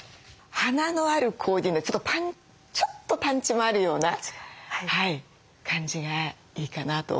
華のあるコーディネートちょっとパンチもあるような感じがいいかなと。